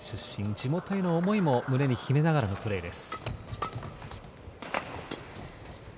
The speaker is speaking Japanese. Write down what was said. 地元への思いも胸に秘めながらのプレーです。